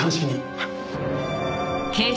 はい。